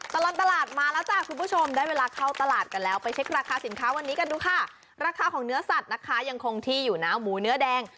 ตลอดตลาดมาแล้วจ้ะคุณผู้ชมได้เวลาเข้าตลาดกันแล้วไปเช็คราคาสินค้าวันนี้กันดูค่ะราคาของเนื้อสัตว์นะคะยังคงที่อยู่นะหมูเนื้อแดง